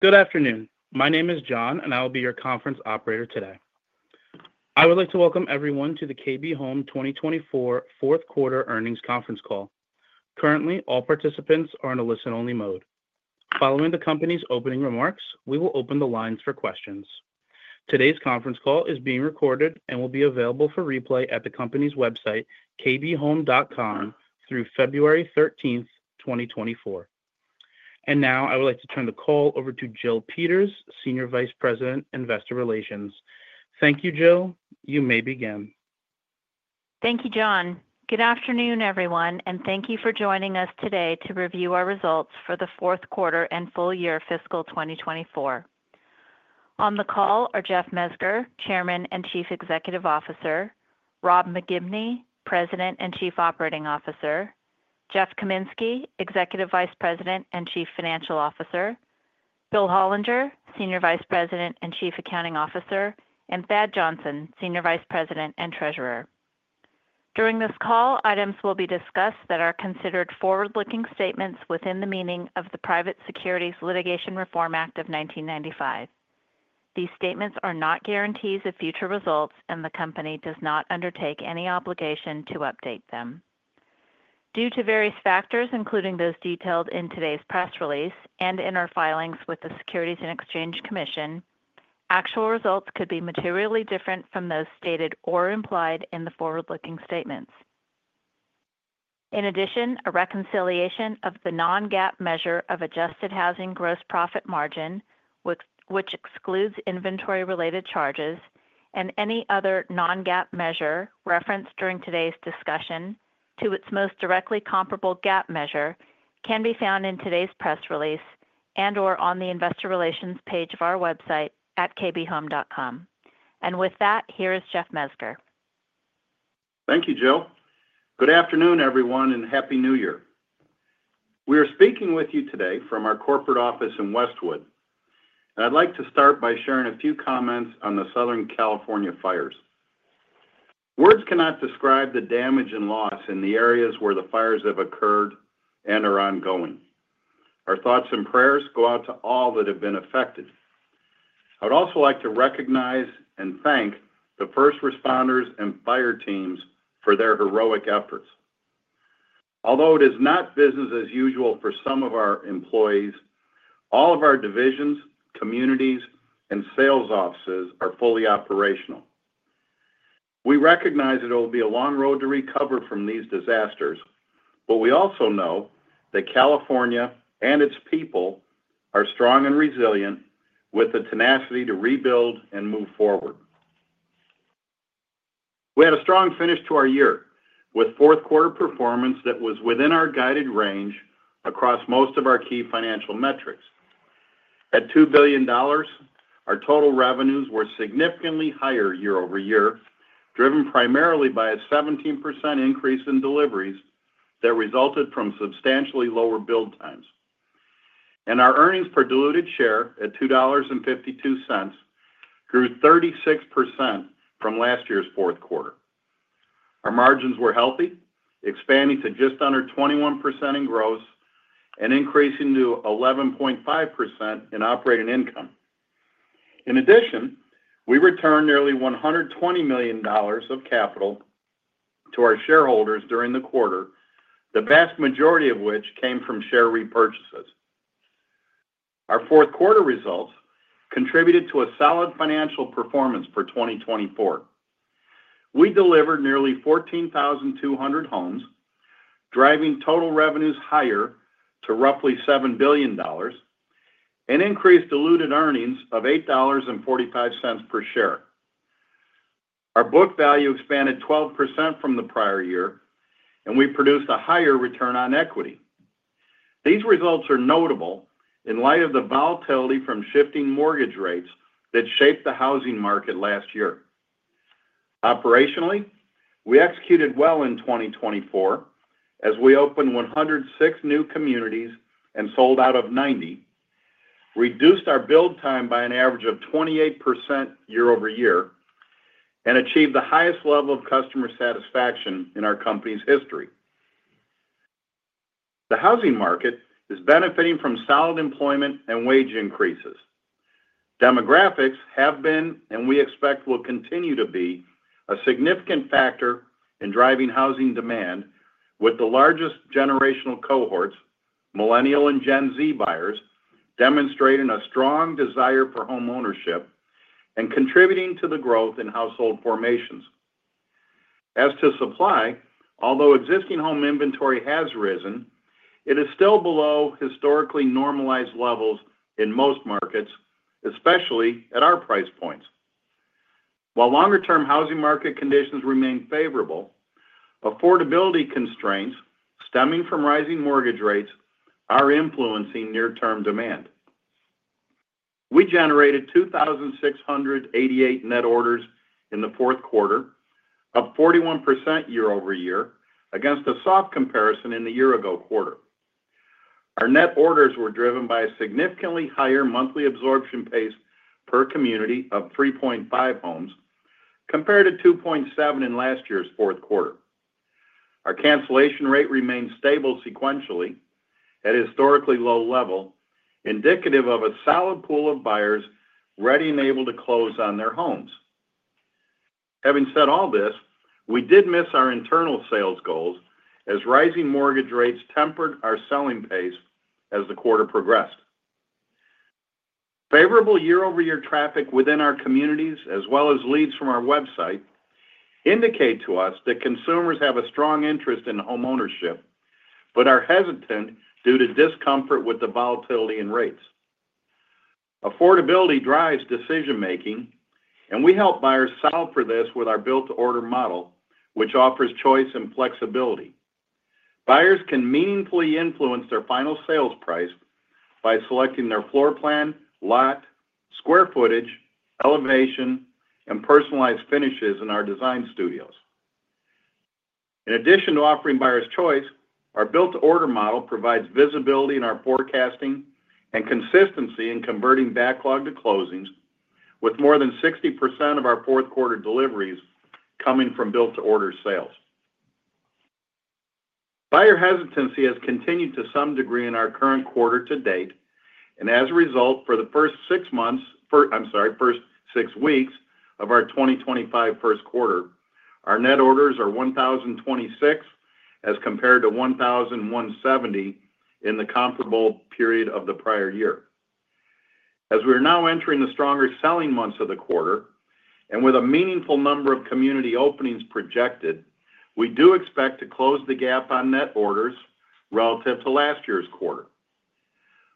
Good afternoon. My name is John, and I will be your conference operator today. I would like to welcome everyone to the KB Home 2024 fourth quarter earnings conference call. Currently, all participants are in a listen-only mode. Following the company's opening remarks, we will open the lines for questions. Today's conference call is being recorded and will be available for replay at the company's website, kbhome.com, through February 13th, 2024, and now I would like to turn the call over to Jill Peters, Senior Vice President, Investor Relations. Thank you, Jill. You may begin. Thank you, John. Good afternoon, everyone, and thank you for joining us today to review our results for the fourth quarter and full year fiscal 2024. On the call are Jeff Mezger, Chairman and Chief Executive Officer, Rob McGibney, President and Chief Operating Officer, Jeff Kaminski, Executive Vice President and Chief Financial Officer, Bill Hollinger, Senior Vice President and Chief Accounting Officer, and Thad Johnson, Senior Vice President and Treasurer. During this call, items will be discussed that are considered forward-looking statements within the meaning of the Private Securities Litigation Reform Act of 1995. These statements are not guarantees of future results, and the company does not undertake any obligation to update them. Due to various factors, including those detailed in today's press release and in our filings with the Securities and Exchange Commission, actual results could be materially different from those stated or implied in the forward-looking statements. In addition, a reconciliation of the non-GAAP measure of adjusted housing gross profit margin, which excludes inventory-related charges, and any other non-GAAP measure referenced during today's discussion to its most directly comparable GAAP measure can be found in today's press release and/or on the Investor Relations page of our website at kbhome.com. And with that, here is Jeff Mezger. Thank you, Jill. Good afternoon, everyone, and happy New Year. We are speaking with you today from our corporate office in Westwood, and I'd like to start by sharing a few comments on the Southern California fires. Words cannot describe the damage and loss in the areas where the fires have occurred and are ongoing. Our thoughts and prayers go out to all that have been affected. I would also like to recognize and thank the first responders and fire teams for their heroic efforts. Although it is not business as usual for some of our employees, all of our divisions, communities, and sales offices are fully operational. We recognize that it will be a long road to recover from these disasters, but we also know that California and its people are strong and resilient, with the tenacity to rebuild and move forward. We had a strong finish to our year with fourth quarter performance that was within our guided range across most of our key financial metrics. At $2 billion, our total revenues were significantly higher year over year, driven primarily by a 17% increase in deliveries that resulted from substantially lower build times, and our earnings per diluted share at $2.52 grew 36% from last year's fourth quarter. Our margins were healthy, expanding to just under 21% in gross and increasing to 11.5% in operating income. In addition, we returned nearly $120 million of capital to our shareholders during the quarter, the vast majority of which came from share repurchases. Our fourth quarter results contributed to a solid financial performance for 2024. We delivered nearly 14,200 homes, driving total revenues higher to roughly $7 billion and increased diluted earnings of $8.45 per share. Our book value expanded 12% from the prior year, and we produced a higher return on equity. These results are notable in light of the volatility from shifting mortgage rates that shaped the housing market last year. Operationally, we executed well in 2024 as we opened 106 new communities and sold out of 90, reduced our build time by an average of 28% year over year, and achieved the highest level of customer satisfaction in our company's history. The housing market is benefiting from solid employment and wage increases. Demographics have been, and we expect will continue to be, a significant factor in driving housing demand, with the largest generational cohorts, Millennial and Gen Z buyers, demonstrating a strong desire for homeownership and contributing to the growth in household formations. As to supply, although existing home inventory has risen, it is still below historically normalized levels in most markets, especially at our price points. While longer-term housing market conditions remain favorable, affordability constraints stemming from rising mortgage rates are influencing near-term demand. We generated 2,688 net orders in the fourth quarter, up 41% year over year against a soft comparison in the year-ago quarter. Our net orders were driven by a significantly higher monthly absorption pace per community of 3.5 homes compared to 2.7 in last year's fourth quarter. Our cancellation rate remained stable sequentially at historically low level, indicative of a solid pool of buyers ready and able to close on their homes. Having said all this, we did miss our internal sales goals as rising mortgage rates tempered our selling pace as the quarter progressed. Favorable year-over-year traffic within our communities, as well as leads from our website, indicate to us that consumers have a strong interest in homeownership but are hesitant due to discomfort with the volatility in rates. Affordability drives decision-making, and we help buyers solve for this with our Build-to-Order model, which offers choice and flexibility. Buyers can meaningfully influence their final sales price by selecting their floor plan, lot, square footage, elevation, and personalized finishes in our design studios. In addition to offering buyers choice, our Build-to-Order model provides visibility in our forecasting and consistency in converting backlog to closings, with more than 60% of our fourth quarter deliveries coming from Build-to-Order sales. Buyer hesitancy has continued to some degree in our current quarter to date, and as a result, for the first six months, I'm sorry, first six weeks of our 2025 first quarter, our net orders are 1,026 as compared to 1,170 in the comparable period of the prior year. As we are now entering the stronger selling months of the quarter and with a meaningful number of community openings projected, we do expect to close the gap on net orders relative to last year's quarter.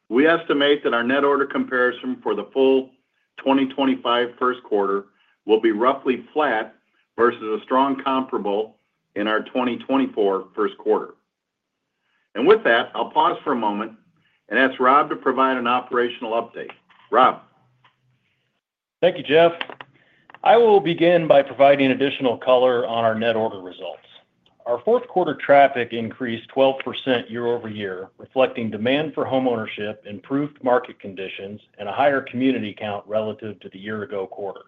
We estimate that our net order comparison for the full 2025 first quarter will be roughly flat versus a strong comparable in our 2024 first quarter. And with that, I'll pause for a moment and ask Rob to provide an operational update. Rob. Thank you, Jeff. I will begin by providing additional color on our net order results. Our fourth quarter traffic increased 12% year over year, reflecting demand for homeownership, improved market conditions, and a higher community count relative to the year-ago quarter.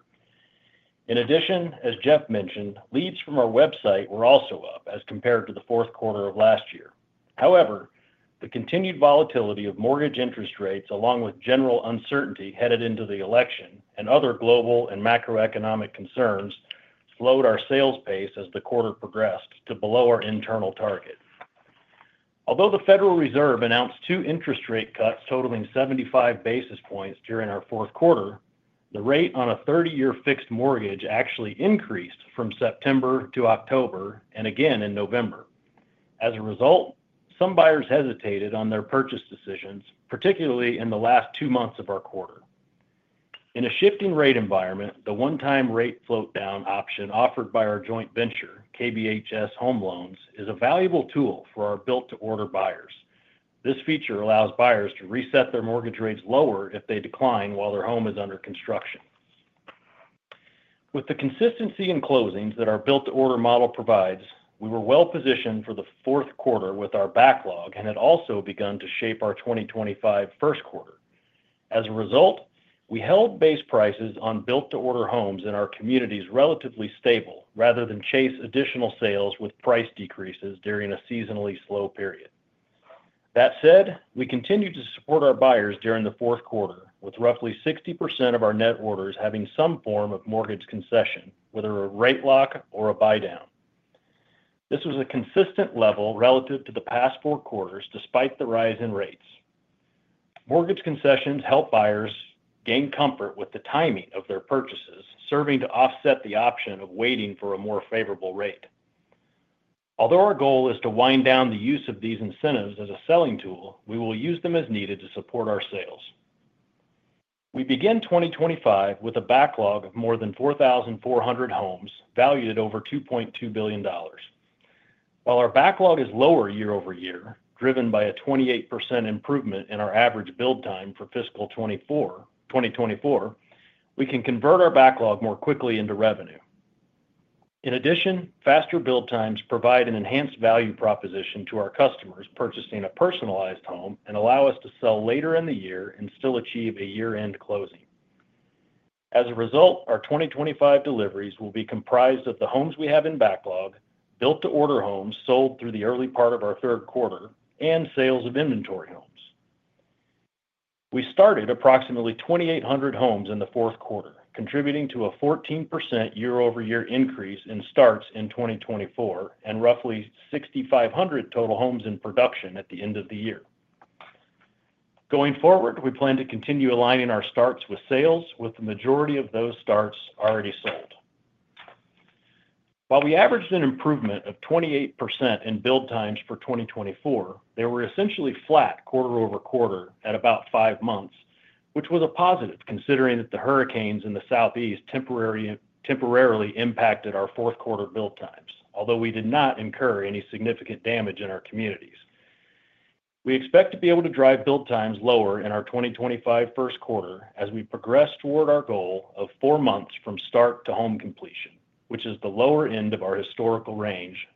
In addition, as Jeff mentioned, leads from our website were also up as compared to the fourth quarter of last year. However, the continued volatility of mortgage interest rates, along with general uncertainty headed into the election and other global and macroeconomic concerns, slowed our sales pace as the quarter progressed to below our internal target. Although the Federal Reserve announced two interest rate cuts totaling 75 basis points during our fourth quarter, the rate on a 30-year fixed mortgage actually increased from September to October and again in November. As a result, some buyers hesitated on their purchase decisions, particularly in the last two months of our quarter. In a shifting rate environment, the one-time rate float-down option offered by our joint venture, KBHS Home Loans, is a valuable tool for our Build-to-Order buyers. This feature allows buyers to reset their mortgage rates lower if they decline while their home is under construction. With the consistency in closings that our Build-to-Order model provides, we were well positioned for the fourth quarter with our backlog and had also begun to shape our 2025 first quarter. As a result, we held base prices on Build-to-Order homes in our communities relatively stable rather than chase additional sales with price decreases during a seasonally slow period. That said, we continued to support our buyers during the fourth quarter, with roughly 60% of our net orders having some form of mortgage concession, whether a rate lock or a buy-down. This was a consistent level relative to the past four quarters despite the rise in rates. Mortgage concessions help buyers gain comfort with the timing of their purchases, serving to offset the option of waiting for a more favorable rate. Although our goal is to wind down the use of these incentives as a selling tool, we will use them as needed to support our sales. We begin 2025 with a backlog of more than 4,400 homes valued at over $2.2 billion. While our backlog is lower year over year, driven by a 28% improvement in our average build time for fiscal 2024, we can convert our backlog more quickly into revenue. In addition, faster build times provide an enhanced value proposition to our customers purchasing a personalized home and allow us to sell later in the year and still achieve a year-end closing. As a result, our 2025 deliveries will be comprised of the homes we have in backlog, Build-to-Order homes sold through the early part of our third quarter, and sales of inventory homes. We started approximately 2,800 homes in the fourth quarter, contributing to a 14% year-over-year increase in starts in 2024 and roughly 6,500 total homes in production at the end of the year. Going forward, we plan to continue aligning our starts with sales, with the majority of those starts already sold. While we averaged an improvement of 28% in build times for 2024, they were essentially flat quarter over quarter at about five months, which was a positive considering that the hurricanes in the Southeast temporarily impacted our fourth quarter build times, although we did not incur any significant damage in our communities. We expect to be able to drive build times lower in our 2025 first quarter as we progress toward our goal of four months from start to home completion, which is the lower end of our historical range,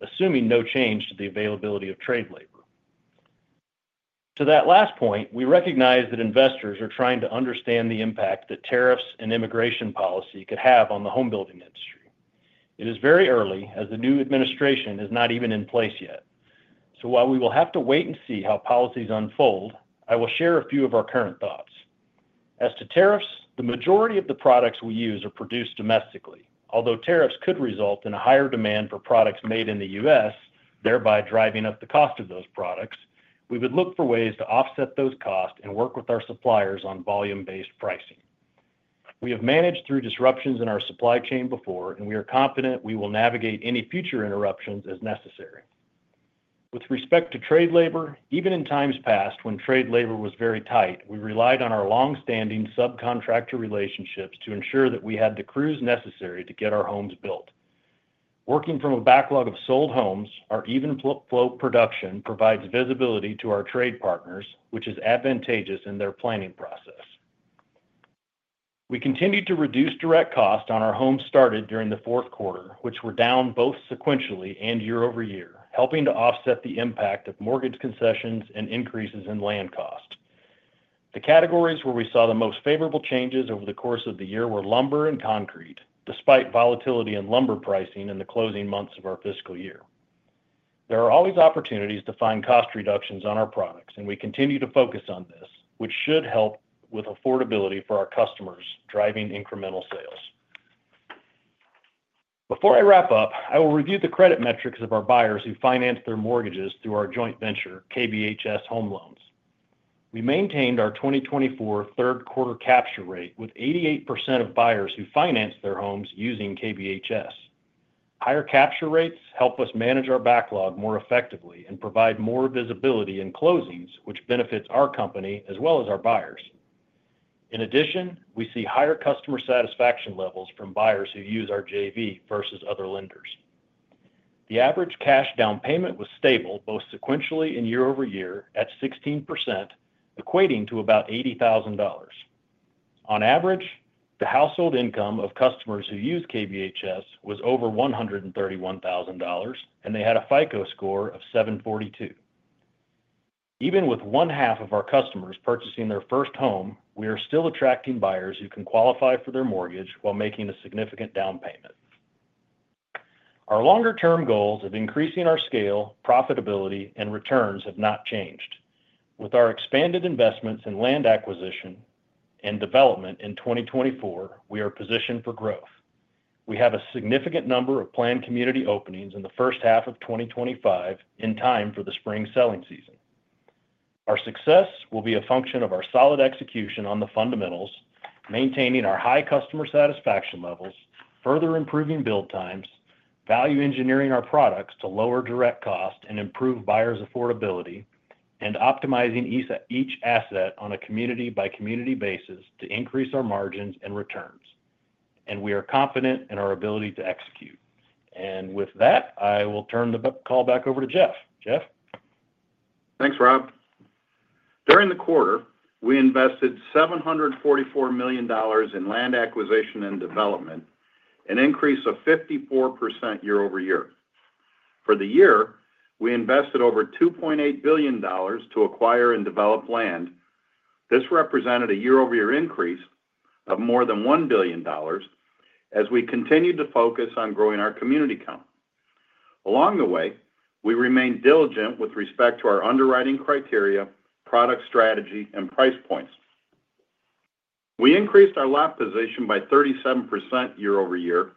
assuming no change to the availability of trade labor. To that last point, we recognize that investors are trying to understand the impact that tariffs and immigration policy could have on the home-building industry. It is very early as the new administration is not even in place yet. So while we will have to wait and see how policies unfold, I will share a few of our current thoughts. As to tariffs, the majority of the products we use are produced domestically. Although tariffs could result in a higher demand for products made in the U.S., thereby driving up the cost of those products, we would look for ways to offset those costs and work with our suppliers on volume-based pricing. We have managed through disruptions in our supply chain before, and we are confident we will navigate any future interruptions as necessary. With respect to trade labor, even in times past when trade labor was very tight, we relied on our long-standing subcontractor relationships to ensure that we had the crews necessary to get our homes built. Working from a backlog of sold homes, our even flow production provides visibility to our trade partners, which is advantageous in their planning process. We continued to reduce direct costs on our homes started during the fourth quarter, which were down both sequentially and year over year, helping to offset the impact of mortgage concessions and increases in land cost. The categories where we saw the most favorable changes over the course of the year were lumber and concrete, despite volatility in lumber pricing in the closing months of our fiscal year. There are always opportunities to find cost reductions on our products, and we continue to focus on this, which should help with affordability for our customers, driving incremental sales. Before I wrap up, I will review the credit metrics of our buyers who financed their mortgages through our joint venture, KBHS Home Loans. We maintained our 2024 third quarter capture rate with 88% of buyers who financed their homes using KBHS. Higher capture rates help us manage our backlog more effectively and provide more visibility in closings, which benefits our company as well as our buyers. In addition, we see higher customer satisfaction levels from buyers who use our JV versus other lenders. The average cash down payment was stable both sequentially and year over year at 16%, equating to about $80,000. On average, the household income of customers who use KBHS was over $131,000, and they had a FICO score of 742. Even with 50% of our customers purchasing their first home, we are still attracting buyers who can qualify for their mortgage while making a significant down payment. Our longer-term goals of increasing our scale, profitability, and returns have not changed. With our expanded investments in land acquisition and development in 2024, we are positioned for growth. We have a significant number of planned community openings in the first half of 2025 in time for the spring selling season. Our success will be a function of our solid execution on the fundamentals, maintaining our high customer satisfaction levels, further improving build times, value engineering our products to lower direct costs and improve buyers' affordability, and optimizing each asset on a community-by-community basis to increase our margins and returns. And we are confident in our ability to execute. And with that, I will turn the call back over to Jeff. Jeff? Thanks, Rob. During the quarter, we invested $744 million in land acquisition and development, an increase of 54% year over year. For the year, we invested over $2.8 billion to acquire and develop land. This represented a year-over-year increase of more than $1 billion as we continued to focus on growing our community count. Along the way, we remained diligent with respect to our underwriting criteria, product strategy, and price points. We increased our lot position by 37% year over year,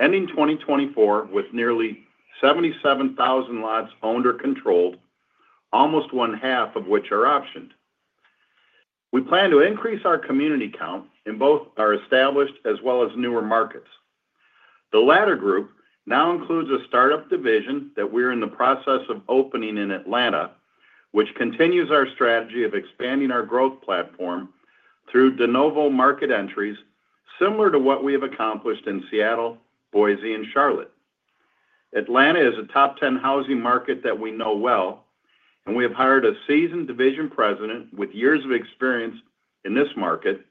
ending 2024 with nearly 77,000 lots owned or controlled, almost one half of which are optioned. We plan to increase our community count in both our established as well as newer markets. The latter group now includes a startup division that we are in the process of opening in Atlanta, which continues our strategy of expanding our growth platform through de novo market entries similar to what we have accomplished in Seattle, Boise, and Charlotte. Atlanta is a top 10 housing market that we know well, and we have hired a seasoned division president with years of experience in this market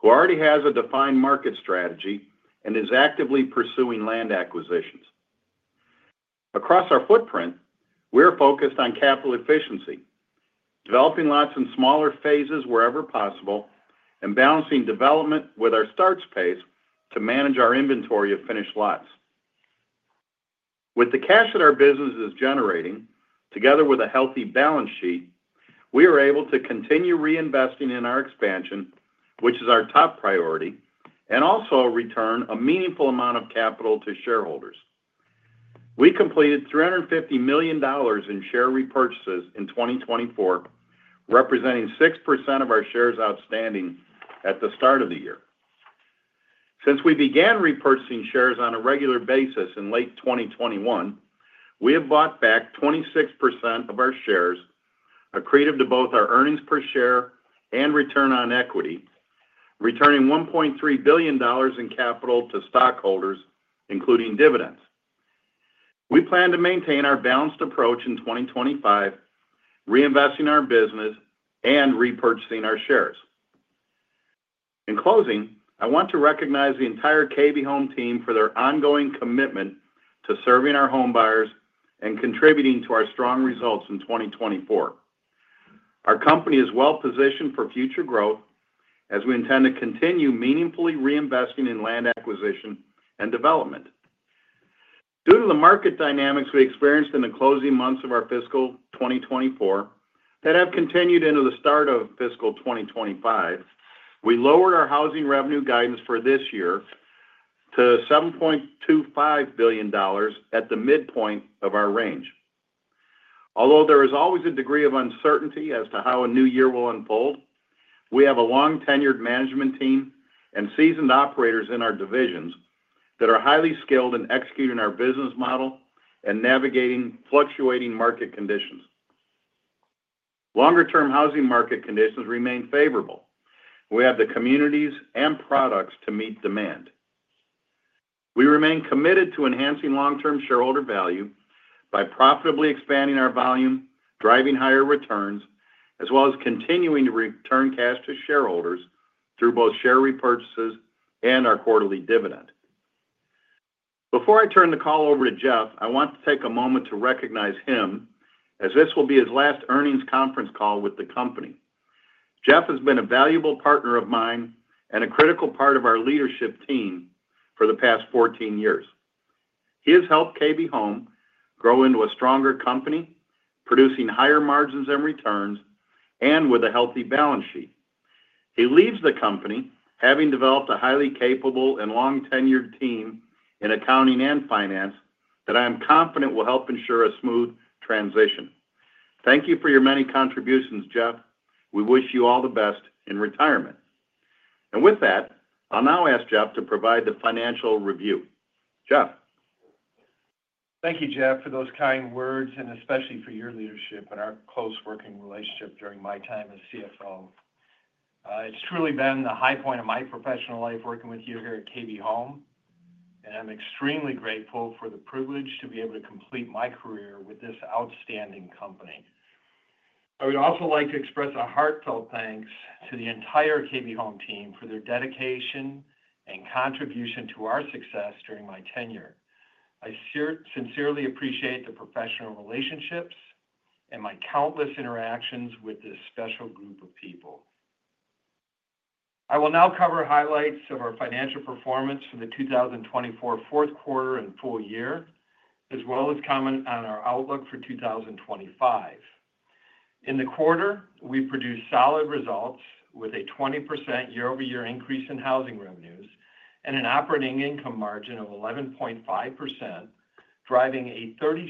who already has a defined market strategy and is actively pursuing land acquisitions. Across our footprint, we are focused on capital efficiency, developing lots in smaller phases wherever possible and balancing development with our start pace to manage our inventory of finished lots. With the cash that our business is generating, together with a healthy balance sheet, we are able to continue reinvesting in our expansion, which is our top priority, and also return a meaningful amount of capital to shareholders. We completed $350 million in share repurchases in 2024, representing 6% of our shares outstanding at the start of the year. Since we began repurchasing shares on a regular basis in late 2021, we have bought back 26% of our shares, accretive to both our earnings per share and return on equity, returning $1.3 billion in capital to stockholders, including dividends. We plan to maintain our balanced approach in 2025, reinvesting our business and repurchasing our shares. In closing, I want to recognize the entire KB Home team for their ongoing commitment to serving our homebuyers and contributing to our strong results in 2024. Our company is well positioned for future growth as we intend to continue meaningfully reinvesting in land acquisition and development. Due to the market dynamics we experienced in the closing months of our fiscal 2024 that have continued into the start of fiscal 2025, we lowered our housing revenue guidance for this year to $7.25 billion at the midpoint of our range. Although there is always a degree of uncertainty as to how a new year will unfold, we have a long-tenured management team and seasoned operators in our divisions that are highly skilled in executing our business model and navigating fluctuating market conditions. Longer-term housing market conditions remain favorable. We have the communities and products to meet demand. We remain committed to enhancing long-term shareholder value by profitably expanding our volume, driving higher returns, as well as continuing to return cash to shareholders through both share repurchases and our quarterly dividend. Before I turn the call over to Jeff, I want to take a moment to recognize him as this will be his last earnings conference call with the company. Jeff has been a valuable partner of mine and a critical part of our leadership team for the past 14 years. He has helped KB Home grow into a stronger company, producing higher margins and returns, and with a healthy balance sheet. He leads the company, having developed a highly capable and long-tenured team in accounting and finance that I am confident will help ensure a smooth transition. Thank you for your many contributions, Jeff. We wish you all the best in retirement. And with that, I'll now ask Jeff to provide the financial review. Jeff. Thank you, Jeff, for those kind words and especially for your leadership and our close working relationship during my time as CFO. It's truly been the high point of my professional life working with you here at KB Home, and I'm extremely grateful for the privilege to be able to complete my career with this outstanding company. I would also like to express a heartfelt thanks to the entire KB Home team for their dedication and contribution to our success during my tenure. I sincerely appreciate the professional relationships and my countless interactions with this special group of people. I will now cover highlights of our financial performance for the 2024 fourth quarter and full year, as well as comment on our outlook for 2025. In the quarter, we produced solid results with a 20% year-over-year increase in housing revenues and an operating income margin of 11.5%, driving a 36%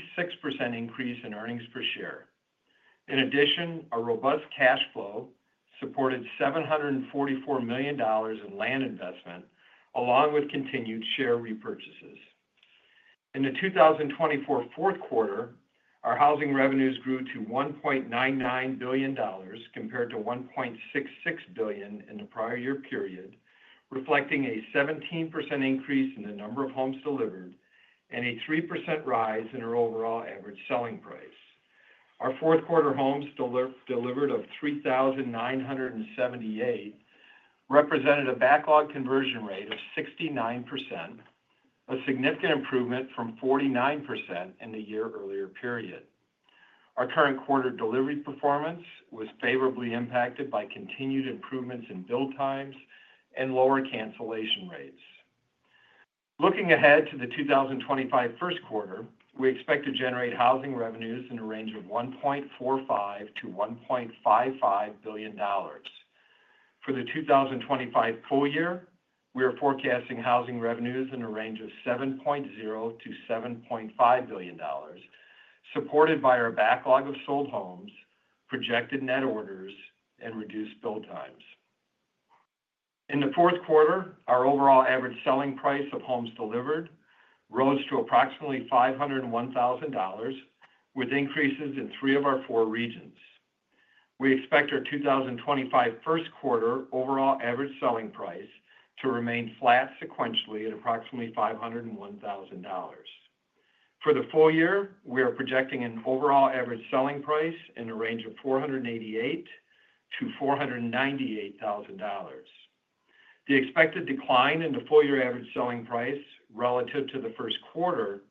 increase in earnings per share. In addition, our robust cash flow supported $744 million in land investment, along with continued share repurchases. In the 2024 fourth quarter, our housing revenues grew to $1.99 billion compared to $1.66 billion in the prior year period, reflecting a 17% increase in the number of homes delivered and a 3% rise in our overall average selling price. Our fourth quarter homes delivered of 3,978 represented a backlog conversion rate of 69%, a significant improvement from 49% in the year earlier period. Our current quarter delivery performance was favorably impacted by continued improvements in build times and lower cancellation rates. Looking ahead to the 2025 first quarter, we expect to generate housing revenues in a range of $1.45-$1.55 billion. For the 2025 full year, we are forecasting housing revenues in a range of $7.0-$7.5 billion, supported by our backlog of sold homes, projected net orders, and reduced build times. In the fourth quarter, our overall average selling price of homes delivered rose to approximately $501,000, with increases in three of our four regions. We expect our 2025 first quarter overall average selling price to remain flat sequentially at approximately $501,000. For the full year, we are projecting an overall average selling price in a range of $488,000-$498,000. The expected decline in the full year average selling price relative to the first quarter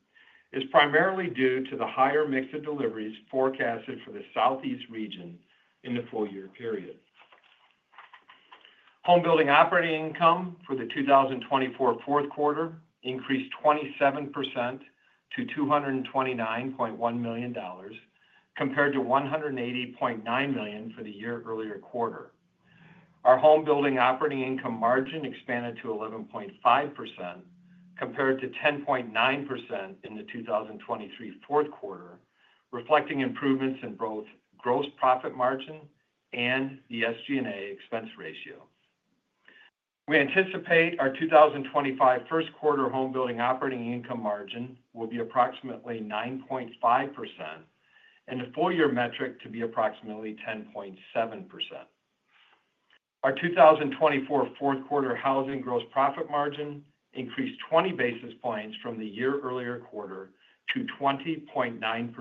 is primarily due to the higher mix of deliveries forecasted for the Southeast region in the full year period. Homebuilding operating income for the 2024 fourth quarter increased 27% to $229.1 million, compared to $180.9 million for the year earlier quarter. Our Homebuilding operating income margin expanded to 11.5%, compared to 10.9% in the 2023 fourth quarter, reflecting improvements in both gross profit margin and the SG&A expense ratio. We anticipate our 2025 first quarter home building operating income margin will be approximately 9.5%, and the full year metric to be approximately 10.7%. Our 2024 fourth quarter housing gross profit margin increased 20 basis points from the year earlier quarter to 20.9%.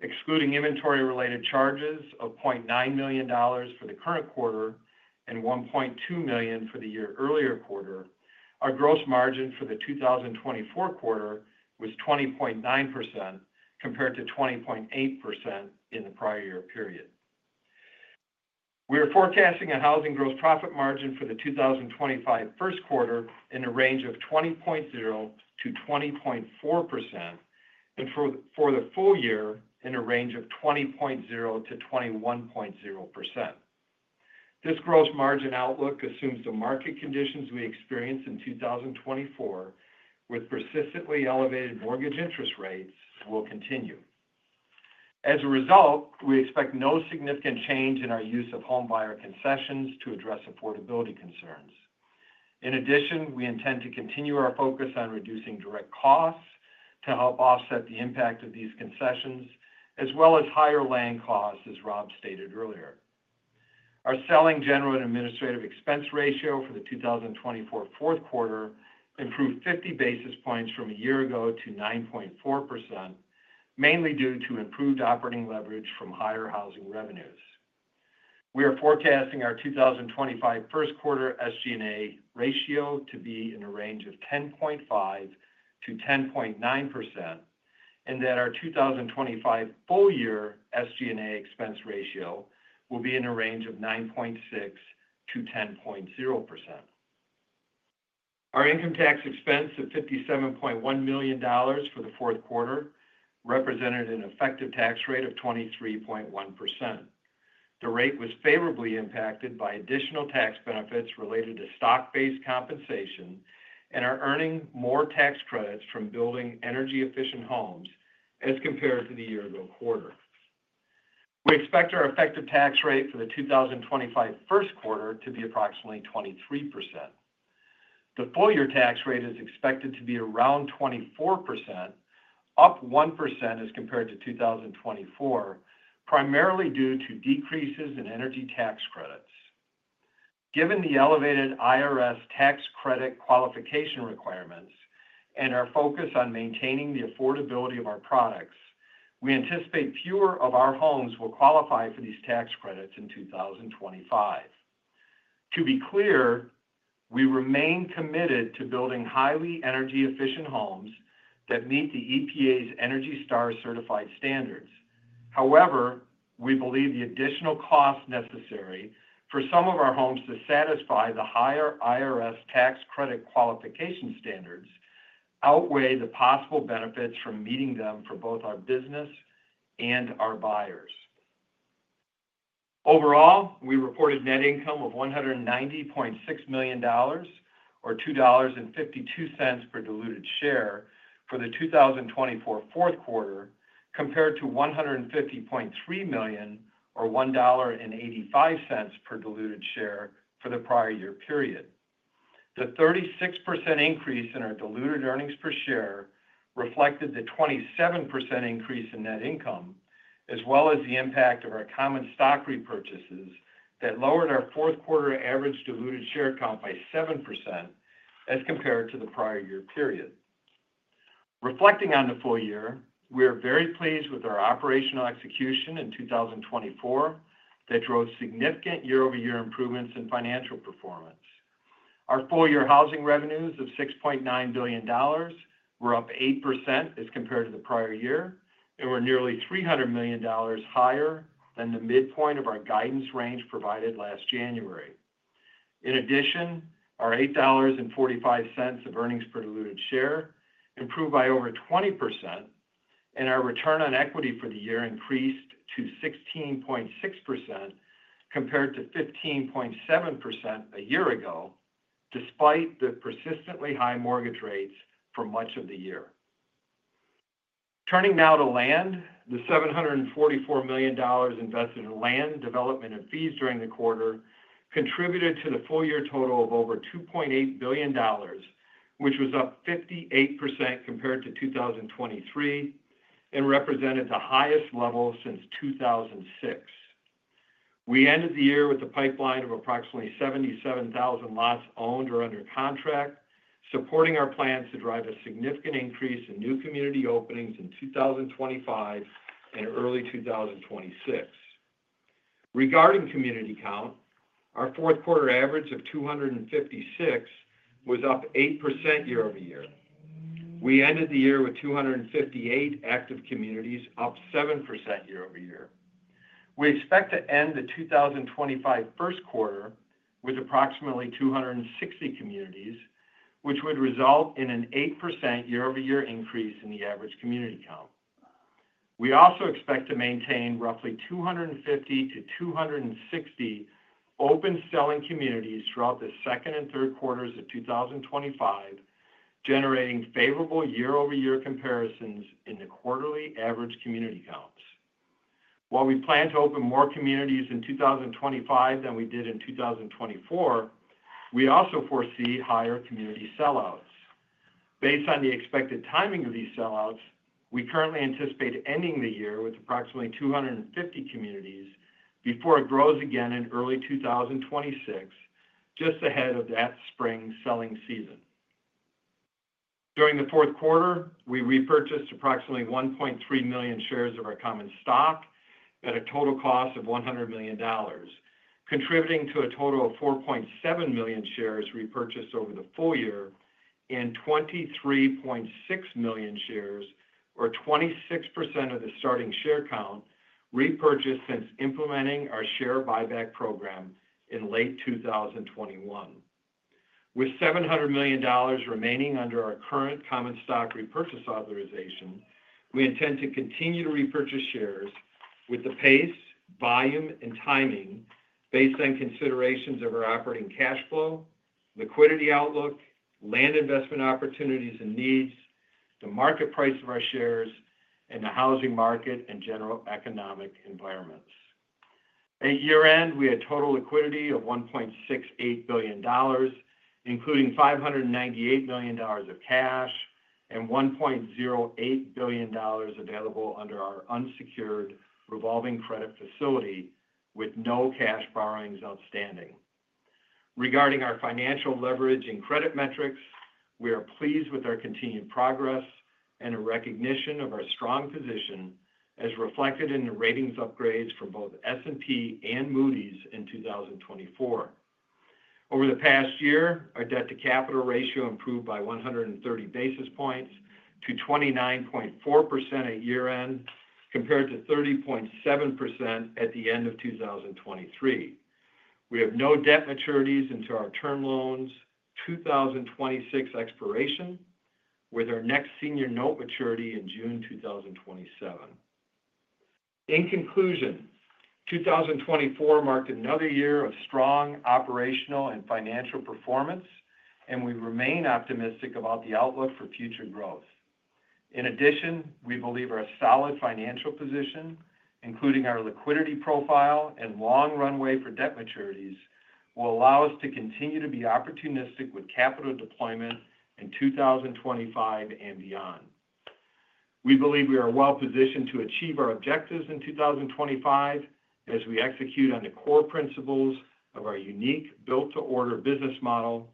Excluding inventory-related charges of $0.9 million for the current quarter and $1.2 million for the year earlier quarter, our gross margin for the 2024 quarter was 20.9%, compared to 20.8% in the prior year period. We are forecasting a housing gross profit margin for the 2025 first quarter in a range of 20.0-20.4%, and for the full year in a range of 20.0-21.0%. This gross margin outlook assumes the market conditions we experienced in 2024, with persistently elevated mortgage interest rates, will continue. As a result, we expect no significant change in our use of homebuyer concessions to address affordability concerns. In addition, we intend to continue our focus on reducing direct costs to help offset the impact of these concessions, as well as higher land costs, as Rob stated earlier. Our selling general and administrative expense ratio for the 2024 fourth quarter improved 50 basis points from a year ago to 9.4%, mainly due to improved operating leverage from higher housing revenues. We are forecasting our 2025 first quarter SG&A ratio to be in a range of 10.5%-10.9%, and that our 2025 full year SG&A expense ratio will be in a range of 9.6%-10.0%. Our income tax expense of $57.1 million for the fourth quarter represented an effective tax rate of 23.1%. The rate was favorably impacted by additional tax benefits related to stock-based compensation and our earning more tax credits from building energy-efficient homes as compared to the year-ago quarter. We expect our effective tax rate for the 2025 first quarter to be approximately 23%. The full year tax rate is expected to be around 24%, up 1% as compared to 2024, primarily due to decreases in energy tax credits. Given the elevated IRS tax credit qualification requirements and our focus on maintaining the affordability of our products, we anticipate fewer of our homes will qualify for these tax credits in 2025. To be clear, we remain committed to building highly energy-efficient homes that meet the EPA's ENERGY STAR certified standards. However, we believe the additional costs necessary for some of our homes to satisfy the higher IRS tax credit qualification standards outweigh the possible benefits from meeting them for both our business and our buyers. Overall, we reported net income of $190.6 million, or $2.52 per diluted share, for the 2024 fourth quarter, compared to $150.3 million, or $1.85 per diluted share, for the prior year period. The 36% increase in our diluted earnings per share reflected the 27% increase in net income, as well as the impact of our common stock repurchases that lowered our fourth quarter average diluted share count by 7% as compared to the prior year period. Reflecting on the full year, we are very pleased with our operational execution in 2024 that drove significant year-over-year improvements in financial performance. Our full year housing revenues of $6.9 billion were up 8% as compared to the prior year, and were nearly $300 million higher than the midpoint of our guidance range provided last January. In addition, our $8.45 of earnings per diluted share improved by over 20%, and our return on equity for the year increased to 16.6% compared to 15.7% a year ago, despite the persistently high mortgage rates for much of the year. Turning now to land, the $744 million invested in land development and fees during the quarter contributed to the full year total of over $2.8 billion, which was up 58% compared to 2023 and represented the highest level since 2006. We ended the year with a pipeline of approximately 77,000 lots owned or under contract, supporting our plans to drive a significant increase in new community openings in 2025 and early 2026. Regarding community count, our fourth quarter average of 256 was up 8% year-over-year. We ended the year with 258 active communities, up 7% year-over-year. We expect to end the 2025 first quarter with approximately 260 communities, which would result in an 8% year-over-year increase in the average community count. We also expect to maintain roughly 250-260 open selling communities throughout the second and third quarters of 2025, generating favorable year-over-year comparisons in the quarterly average community counts. While we plan to open more communities in 2025 than we did in 2024, we also foresee higher community sellouts. Based on the expected timing of these sellouts, we currently anticipate ending the year with approximately 250 communities before it grows again in early 2026, just ahead of that spring selling season. During the fourth quarter, we repurchased approximately 1.3 million shares of our common stock at a total cost of $100 million, contributing to a total of 4.7 million shares repurchased over the full year and 23.6 million shares, or 26% of the starting share count, repurchased since implementing our share buyback program in late 2021. With $700 million remaining under our current common stock repurchase authorization, we intend to continue to repurchase shares with the pace, volume, and timing based on considerations of our operating cash flow, liquidity outlook, land investment opportunities and needs, the market price of our shares, and the housing market and general economic environments. At year-end, we had total liquidity of $1.68 billion, including $598 million of cash and $1.08 billion available under our unsecured revolving credit facility with no cash borrowings outstanding. Regarding our financial leverage and credit metrics, we are pleased with our continued progress and a recognition of our strong position, as reflected in the ratings upgrades from both S&P and Moody's in 2024. Over the past year, our debt-to-capital ratio improved by 130 basis points to 29.4% at year-end, compared to 30.7% at the end of 2023. We have no debt maturities into our term loans 2026 expiration, with our next senior note maturity in June 2027. In conclusion, 2024 marked another year of strong operational and financial performance, and we remain optimistic about the outlook for future growth. In addition, we believe our solid financial position, including our liquidity profile and long runway for debt maturities, will allow us to continue to be opportunistic with capital deployment in 2025 and beyond. We believe we are well positioned to achieve our objectives in 2025 as we execute on the core principles of our unique Build-to-Order business model,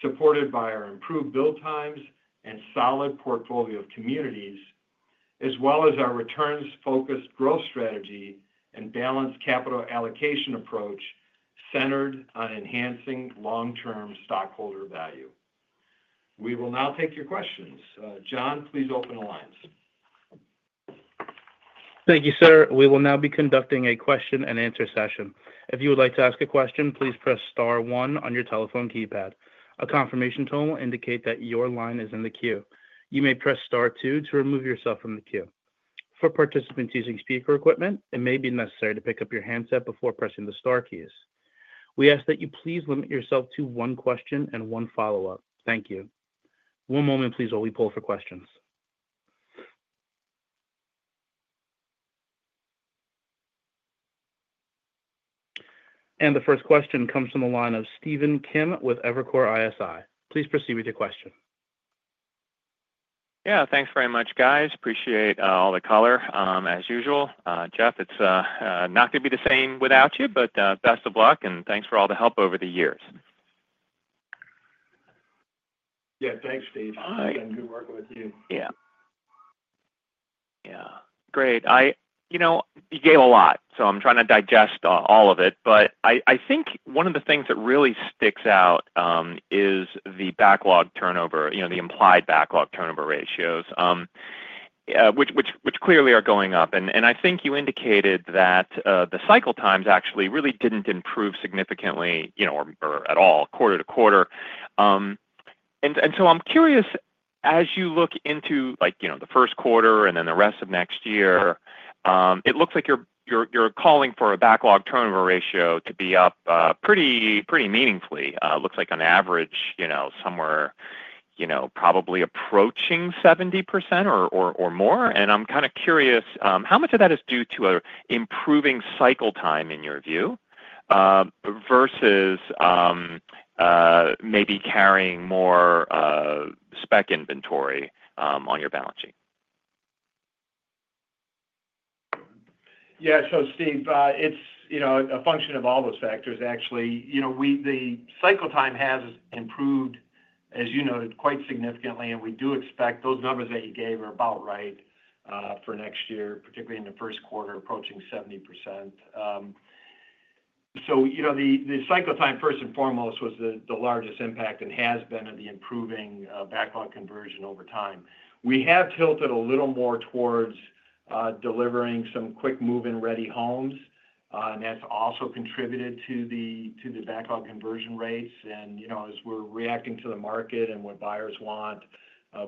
supported by our improved build times and solid portfolio of communities, as well as our returns-focused growth strategy and balanced capital allocation approach centered on enhancing long-term stockholder value. We will now take your questions. John, please open the lines. Thank you, sir. We will now be conducting a question-and-answer session. If you would like to ask a question, please press star one on your telephone keypad. A confirmation tone will indicate that your line is in the queue. You may press star two to remove yourself from the queue. For participants using speaker equipment, it may be necessary to pick up your handset before pressing the star keys. We ask that you please limit yourself to one question and one follow-up. Thank you. One moment, please, while we poll for questions. And the first question comes from the line of Stephen Kim with Evercore ISI. Please proceed with your question. Yeah, thanks very much, guys. Appreciate all the color, as usual. Jeff, it's not going to be the same without you, but best of luck, and thanks for all the help over the years. Yeah, thanks, Steve. It's been good working with you. Yeah. Yeah. Great. You gave a lot, so I'm trying to digest all of it, but I think one of the things that really sticks out is the backlog turnover, the implied backlog turnover ratios, which clearly are going up. I think you indicated that the cycle times actually really didn't improve significantly or at all, quarter to quarter. I'm curious, as you look into the first quarter and then the rest of next year, it looks like you're calling for a backlog turnover ratio to be up pretty meaningfully. It looks like, on average, somewhere probably approaching 70% or more. I'm kind of curious how much of that is due to improving cycle time, in your view, versus maybe carrying more spec inventory on your balance sheet? Yeah. So, Steve, it's a function of all those factors, actually. The cycle time has improved, as you noted, quite significantly, and we do expect those numbers that you gave are about right for next year, particularly in the first quarter, approaching 70%. So the cycle time, first and foremost, was the largest impact and has been of the improving backlog conversion over time. We have tilted a little more towards delivering some quick-moving ready homes, and that's also contributed to the backlog conversion rates. And as we're reacting to the market and what buyers want,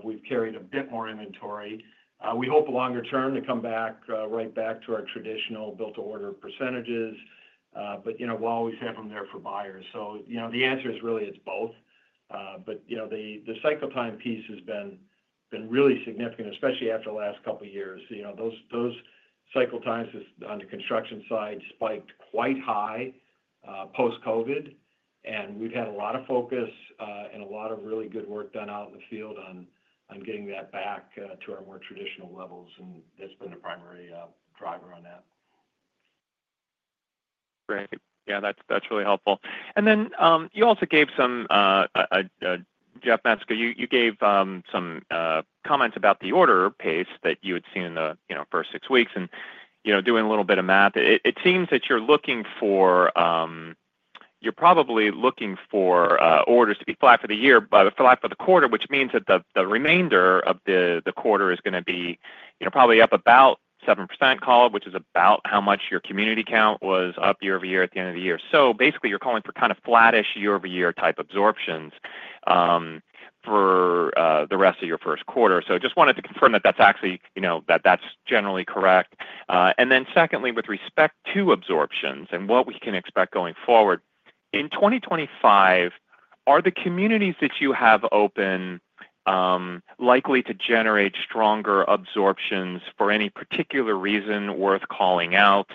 we've carried a bit more inventory. We hope longer term to come right back to our traditional built-to-order percentages, but while we've had them there for buyers. So, the answer is really it's both, but the cycle time piece has been really significant, especially after the last couple of years. Those cycle times on the construction side spiked quite high post-COVID, and we've had a lot of focus and a lot of really good work done out in the field on getting that back to our more traditional levels, and that's been the primary driver on that. Great. Yeah, that's really helpful. And then you also gave some, Jeff, you gave some comments about the order pace that you had seen in the first six weeks. And doing a little bit of math, it seems that you're probably looking for orders to be flat for the year, flat for the quarter, which means that the remainder of the quarter is going to be probably up about seven%, call it, which is about how much your community count was up year-over-year at the end of the year. So basically, you're calling for kind of flattish year-over-year type absorptions for the rest of your first quarter. So I just wanted to confirm that that's actually generally correct. And then secondly, with respect to absorptions and what we can expect going forward, in 2025, are the communities that you have open likely to generate stronger absorptions for any particular reason worth calling out,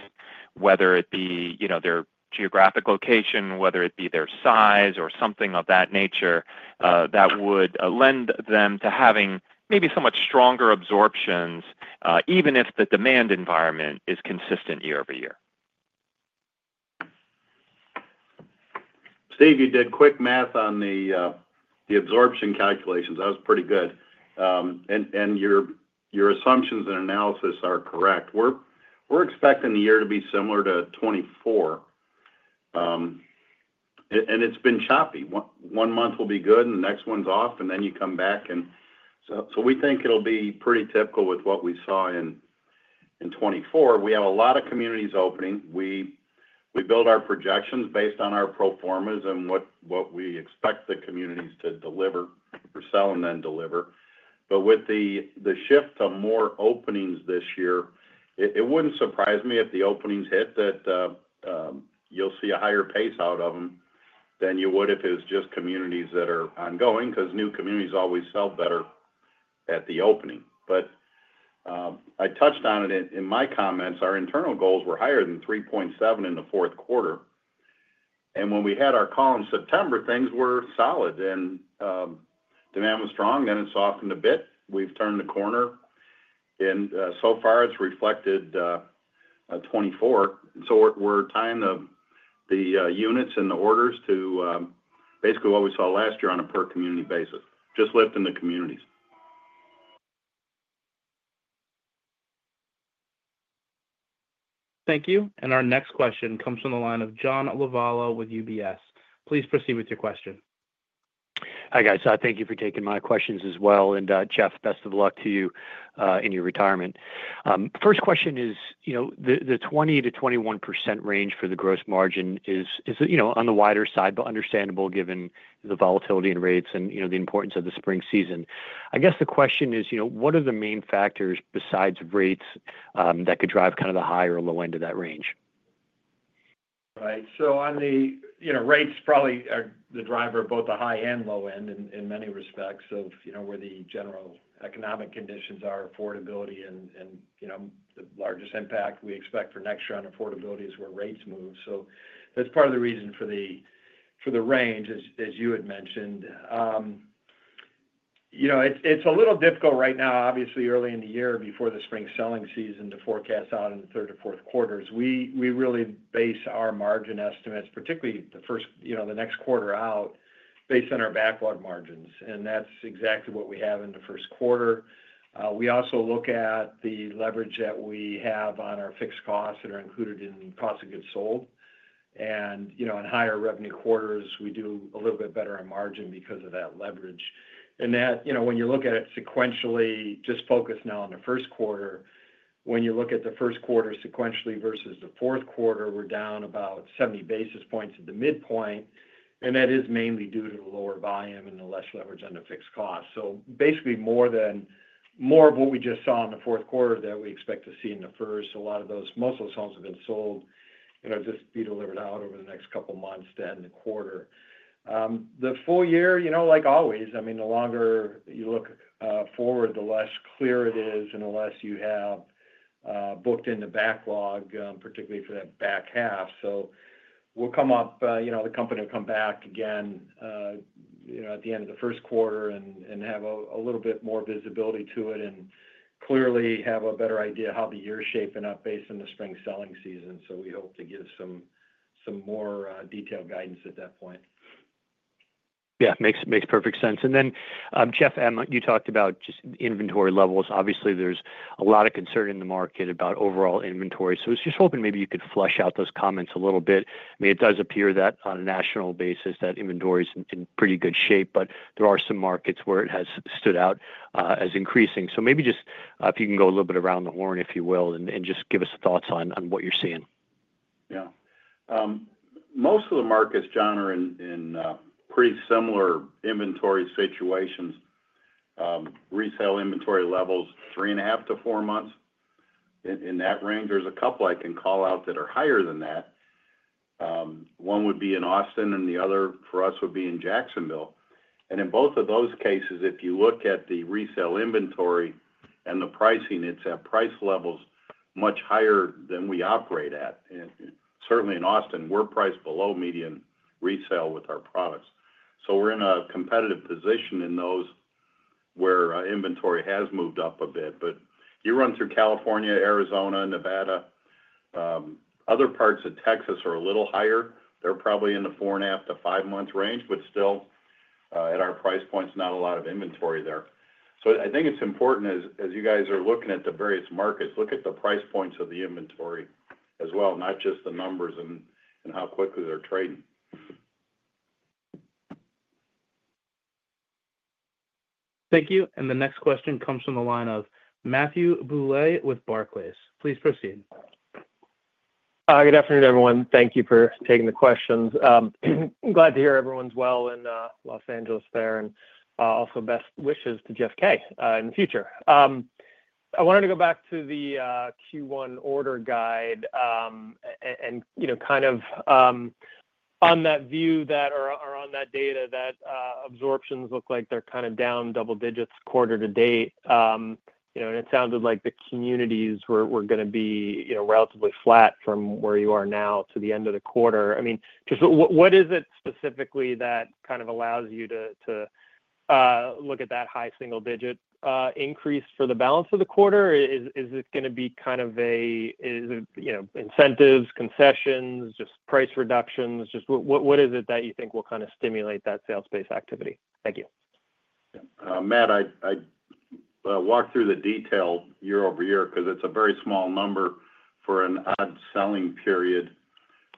whether it be their geographic location, whether it be their size, or something of that nature that would lend them to having maybe somewhat stronger absorptions, even if the demand environment is consistent year-over-year? Steve, you did quick math on the absorption calculations. That was pretty good. And your assumptions and analysis are correct. We're expecting the year to be similar to 2024, and it's been choppy. One month will be good, and the next one's off, and then you come back. And so we think it'll be pretty typical with what we saw in 2024. We have a lot of communities opening. We build our projections based on our pro formas and what we expect the communities to deliver or sell and then deliver. But with the shift to more openings this year, it wouldn't surprise me if the openings hit that you'll see a higher pace out of them than you would if it was just communities that are ongoing because new communities always sell better at the opening. But I touched on it in my comments. Our internal goals were higher than 3.7 in the fourth quarter. And when we had our call in September, things were solid, and demand was strong. Then it softened a bit. We've turned the corner, and so far, it's reflected 2024. We're tying the units and the orders to basically what we saw last year on a per-community basis, just lifting the communities. Thank you. Our next question comes from the line of John Lovallo with UBS. Please proceed with your question. Hi, guys. Thank you for taking my questions as well. And Jeff, best of luck to you in your retirement. First question is, the 20%-21% range for the gross margin is on the wider side, but understandable given the volatility in rates and the importance of the spring season. I guess the question is, what are the main factors besides rates that could drive kind of the high or low end of that range? Right. So on the rates, probably the driver, both the high and low end, in many respects of where the general economic conditions are, affordability, and the largest impact we expect for next year on affordability is where rates move. So that's part of the reason for the range, as you had mentioned. It's a little difficult right now, obviously, early in the year before the spring selling season to forecast out in the third or fourth quarters. We really base our margin estimates, particularly the next quarter out, based on our backlog margins, and that's exactly what we have in the first quarter. We also look at the leverage that we have on our fixed costs that are included in cost of goods sold. And in higher revenue quarters, we do a little bit better on margin because of that leverage. When you look at it sequentially, just focus now on the first quarter. When you look at the first quarter sequentially versus the fourth quarter, we're down about 70 basis points at the midpoint, and that is mainly due to the lower volume and the less leverage on the fixed cost. Basically, more of what we just saw in the fourth quarter that we expect to see in the first, a lot of those, most of those homes have been sold, and they'll just be delivered out over the next couple of months to end the quarter. The full year, like always, I mean, the longer you look forward, the less clear it is and the less you have booked in the backlog, particularly for that back half. So we'll come up. The company will come back again at the end of the first quarter and have a little bit more visibility to it and clearly have a better idea of how the year's shaping up based on the spring selling season. So we hope to give some more detailed guidance at that point. Yeah, makes perfect sense. And then, Jeff, you talked about just inventory levels. Obviously, there's a lot of concern in the market about overall inventory. So I was just hoping maybe you could flesh out those comments a little bit. I mean, it does appear that on a national basis, that inventory is in pretty good shape, but there are some markets where it has stood out as increasing. So maybe just if you can go a little bit around the horn, if you will, and just give us the thoughts on what you're seeing. Yeah. Most of the markets, John, are in pretty similar inventory situations. Retail inventory levels, 3.5-4 months in that range. There's a couple I can call out that are higher than that. One would be in Austin, and the other for us would be in Jacksonville. And in both of those cases, if you look at the resale inventory and the pricing, it's at price levels much higher than we operate at. Certainly in Austin, we're priced below median resale with our products. So we're in a competitive position in those where inventory has moved up a bit. But you run through California, Arizona, Nevada, other parts of Texas are a little higher. They're probably in the four and a half to five month range, but still, at our price points, not a lot of inventory there. So I think it's important, as you guys are looking at the various markets, look at the price points of the inventory as well, not just the numbers and how quickly they're trading. Thank you. The next question comes from the line of Matthew Bouley with Barclays. Please proceed. Hi, good afternoon, everyone. Thank you for taking the questions. I'm glad to hear everyone's well in Los Angeles there and also best wishes to Jeff Kaminski in the future. I wanted to go back to the Q1 order guide and kind of on that view that or on that data that absorptions look like they're kind of down double digits quarter to date. It sounded like the communities were going to be relatively flat from where you are now to the end of the quarter. I mean, what is it specifically that kind of allows you to look at that high single-digit increase for the balance of the quarter? Is it going to be kind of incentives, concessions, just price reductions? Just what is it that you think will kind of stimulate that absorption pace activity? Thank you. Matt, I walked through the detail year over year because it's a very small number for an odd selling period,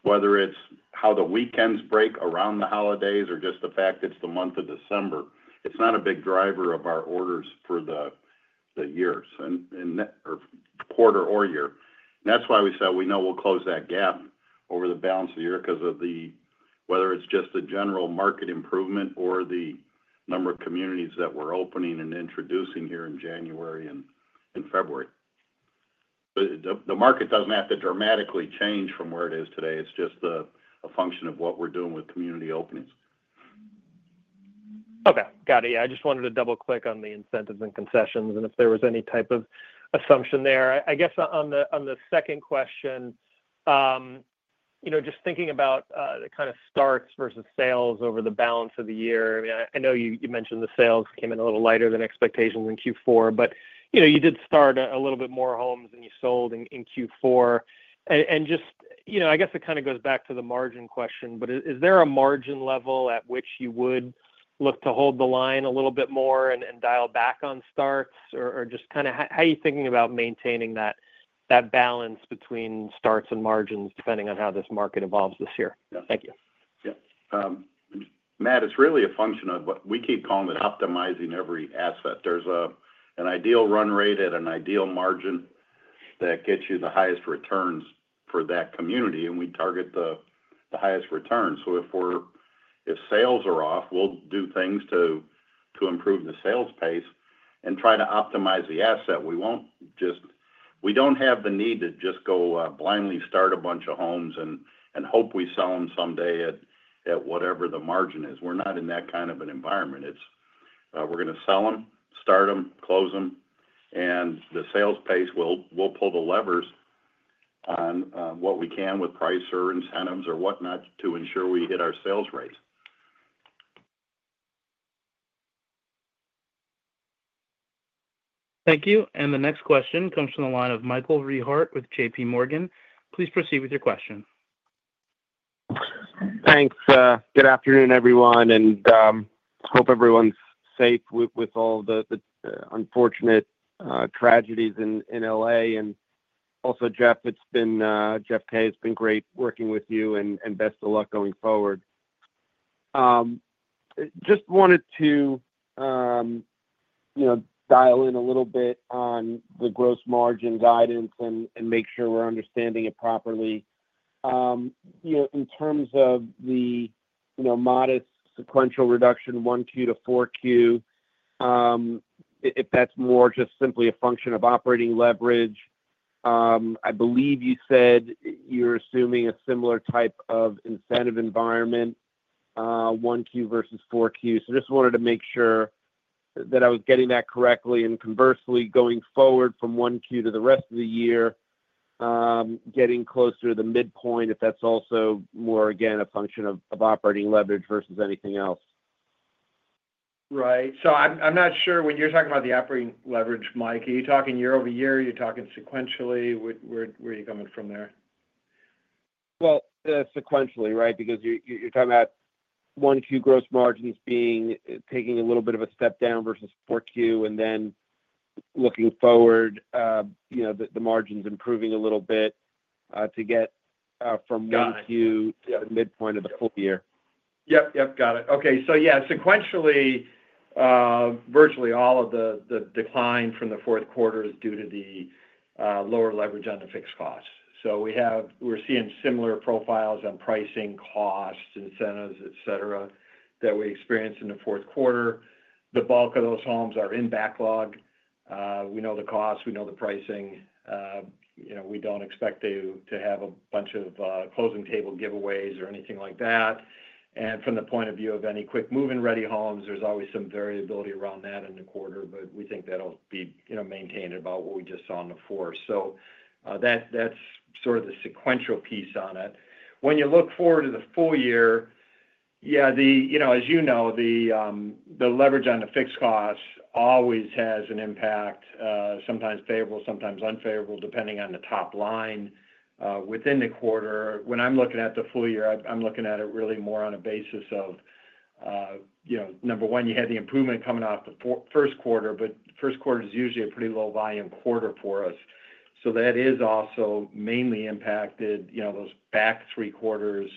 whether it's how the weekends break around the holidays or just the fact it's the month of December. It's not a big driver of our orders for the year or quarter or year. That's why we said we know we'll close that gap over the balance of the year because of whether it's just the general market improvement or the number of communities that we're opening and introducing here in January and February. The market doesn't have to dramatically change from where it is today. It's just a function of what we're doing with community openings. Okay. Got it. Yeah. I just wanted to double-click on the incentives and concessions and if there was any type of assumption there. I guess on the second question, just thinking about the kind of starts versus sales over the balance of the year, I mean, I know you mentioned the sales came in a little lighter than expectations in Q4, but you did start a little bit more homes than you sold in Q4. And just, I guess, it kind of goes back to the margin question, but is there a margin level at which you would look to hold the line a little bit more and dial back on starts? Or just kind of how are you thinking about maintaining that balance between starts and margins depending on how this market evolves this year? Thank you. Yeah. Matt, it's really a function of what we keep calling it, optimizing every asset. There's an ideal run rate at an ideal margin that gets you the highest returns for that community, and we target the highest returns. So if sales are off, we'll do things to improve the sales pace and try to optimize the asset. We don't have the need to just go blindly start a bunch of homes and hope we sell them someday at whatever the margin is. We're not in that kind of an environment. We're going to sell them, start them, close them, and the sales pace, we'll pull the levers on what we can with price or incentives or whatnot to ensure we hit our sales rates. Thank you. And the next question comes from the line of Michael Rehaut with J.P. Morgan. Please proceed with your question. Thanks. Good afternoon, everyone, and hope everyone's safe with all the unfortunate tragedies in LA. And also, Jeff, it's been Jeff K. has been great working with you, and best of luck going forward. Just wanted to dial in a little bit on the gross margin guidance and make sure we're understanding it properly. In terms of the modest sequential reduction, 1Q to 4Q, if that's more just simply a function of operating leverage, I believe you said you're assuming a similar type of incentive environment, 1Q versus 4Q. So just wanted to make sure that I was getting that correctly, and conversely, going forward from 4Q to the rest of the year, getting closer to the midpoint, if that's also more, again, a function of operating leverage versus anything else. Right, so I'm not sure when you're talking about the operating leverage, Mike, are you talking year over year? Are you talking sequentially? Where are you coming from there? Sequentially, right, because you're talking about 1Q gross margins taking a little bit of a step down versus 4Q, and then looking forward, the margins improving a little bit to get from 1Q to the midpoint of the full year. Yep. Yep. Got it. Okay. So yeah, sequentially, virtually all of the decline from the fourth quarter is due to the lower leverage on the fixed costs. So we're seeing similar profiles on pricing, costs, incentives, etc., that we experienced in the fourth quarter. The bulk of those homes are in backlog. We know the cost. We know the pricing. We don't expect to have a bunch of closing table giveaways or anything like that. From the point of view of any quick move-in ready homes, there's always some variability around that in the quarter, but we think that'll be maintained about what we just saw in the four. So that's sort of the sequential piece on it. When you look forward to the full year, yeah, as you know, the leverage on the fixed costs always has an impact, sometimes favorable, sometimes unfavorable, depending on the top line within the quarter. When I'm looking at the full year, I'm looking at it really more on a basis of, number one, you had the improvement coming off the first quarter, but first quarter is usually a pretty low-volume quarter for us. So that is also mainly impacted those back three quarters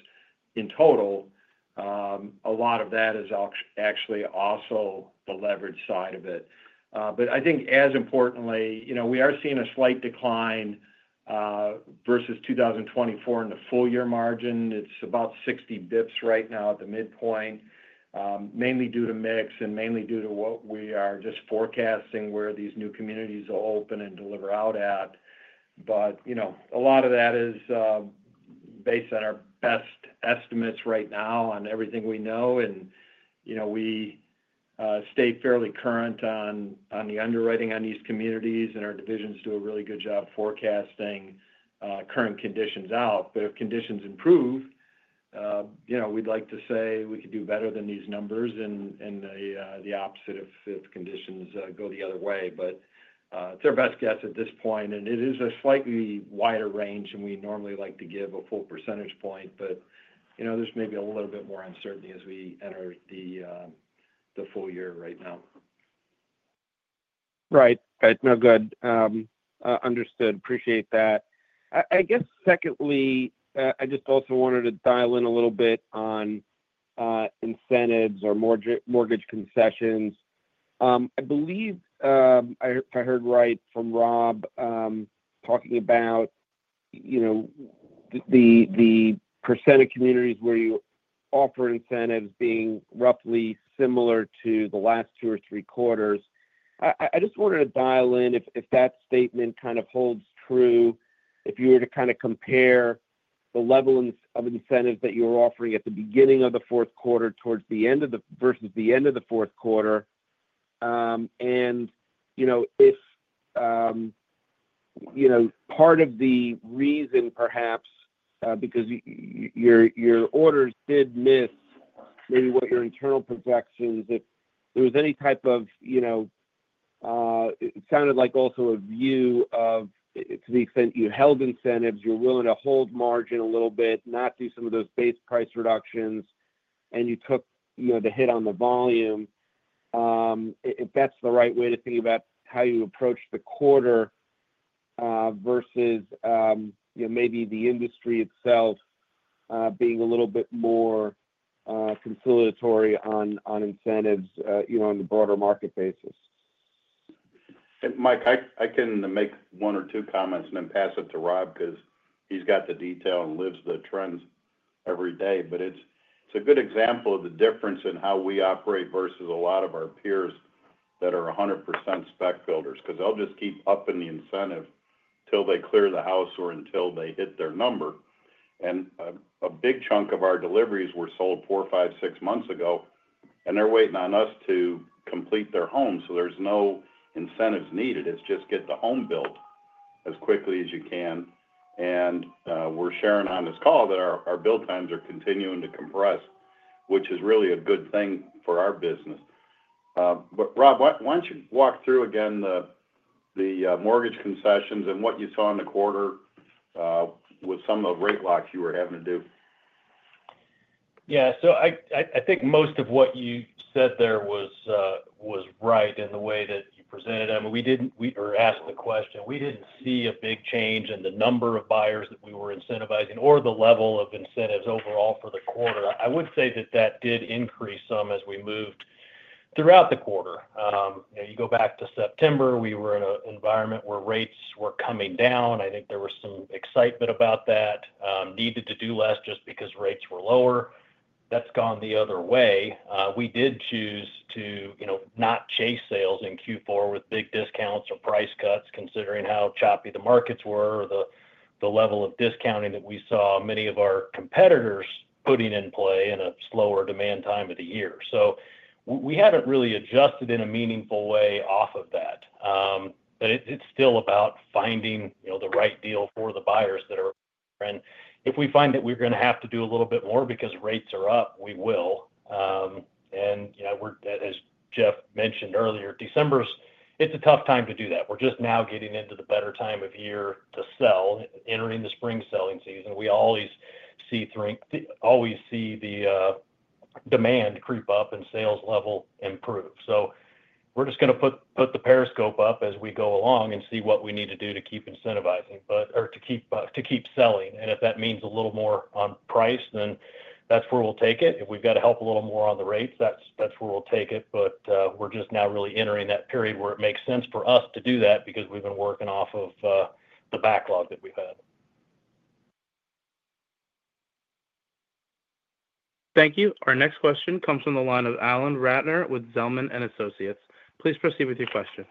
in total. A lot of that is actually also the leverage side of it. But I think as importantly, we are seeing a slight decline versus 2024 in the full year margin. It's about 60 basis points right now at the midpoint, mainly due to mix and mainly due to what we are just forecasting where these new communities will open and deliver out at. But a lot of that is based on our best estimates right now on everything we know, and we stay fairly current on the underwriting on these communities, and our divisions do a really good job forecasting current conditions out. But if conditions improve, we'd like to say we could do better than these numbers and the opposite if conditions go the other way. But it's our best guess at this point, and it is a slightly wider range, and we normally like to give a full percentage point, but there's maybe a little bit more uncertainty as we enter the full year right now. Right. Good. Understood. Appreciate that. I guess secondly, I just also wanted to dial in a little bit on incentives or mortgage concessions. I believe if I heard right from Rob talking about the % of communities where you offer incentives being roughly similar to the last two or three quarters. I just wanted to dial in if that statement kind of holds true if you were to kind of compare the level of incentives that you were offering at the beginning of the fourth quarter towards the end of the quarter versus the end of the fourth quarter. And if part of the reason perhaps because your orders did miss maybe what your internal projections, if there was any type of it sounded like also a view of to the extent you held incentives, you're willing to hold margin a little bit, not do some of those base price reductions, and you took the hit on the volume, if that's the right way to think about how you approach the quarter versus maybe the industry itself being a little bit more capitulatory on incentives on the broader market basis? Mike, I can make one or two comments and then pass it to Rob because he's got the detail and lives the trends every day. But it's a good example of the difference in how we operate versus a lot of our peers that are 100% spec builders because they'll just keep upping the incentive until they clear the house or until they hit their number. And a big chunk of our deliveries were sold four, five, six months ago, and they're waiting on us to complete their home. So there's no incentives needed. It's just get the home built as quickly as you can. And we're sharing on this call that our build times are continuing to compress, which is really a good thing for our business. But Rob, why don't you walk through again the mortgage concessions and what you saw in the quarter with some of the rate locks you were having to do? Yeah. So I think most of what you said there was right in the way that you presented them. We didn't see a big change in the number of buyers that we were incentivizing or the level of incentives overall for the quarter. I would say that that did increase some as we moved throughout the quarter. You go back to September, we were in an environment where rates were coming down. I think there was some excitement about that, needed to do less just because rates were lower. That's gone the other way. We did choose to not chase sales in Q4 with big discounts or price cuts considering how choppy the markets were or the level of discounting that we saw many of our competitors putting in play in a slower demand time of the year. So we haven't really adjusted in a meaningful way off of that. But it's still about finding the right deal for the buyers that are in. If we find that we're going to have to do a little bit more because rates are up, we will. And as Jeff mentioned earlier, December, it's a tough time to do that. We're just now getting into the better time of year to sell, entering the spring selling season. We always see the demand creep up and sales level improve. So we're just going to put the periscope up as we go along and see what we need to do to keep incentivizing or to keep selling. And if that means a little more on price, then that's where we'll take it. If we've got to help a little more on the rates, that's where we'll take it. But we're just now really entering that period where it makes sense for us to do that because we've been working off of the backlog that we've had. Thank you. Our next question comes from the line of Alan Ratner with Zelman & Associates. Please proceed with your question.